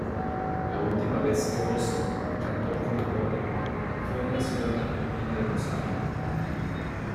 La última vez que "Ossie" cantó "Colabore" fue en la ciudad argentina de Rosario.